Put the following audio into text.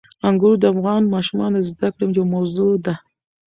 انګور د افغان ماشومانو د زده کړې یوه موضوع ده.